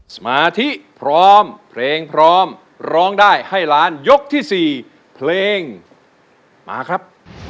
สมาธิพร้อมเพลงพร้อมร้องได้ให้ล้านยกที่๔เพลงมาครับ